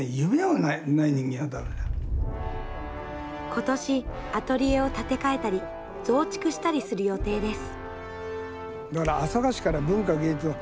今年アトリエを建て替えたり増築したりする予定です。